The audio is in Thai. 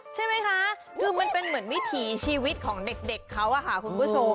ใช่ไหมคะคือมันเป็นเหมือนวิถีชีวิตของเด็กเขาอะค่ะคุณผู้ชม